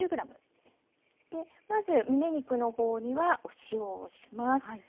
まずむね肉の方にはお塩をします。